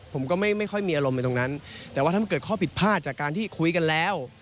ผมก็ไม่ค่อยมีอารมณ์ไปตรงนั้นแต่ว่าถ้ามันเกิดข้อผิดพลาดจากการที่คุยกันแล้ว